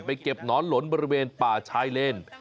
เก็บหนอนหลนบริเวณป่าชายเลน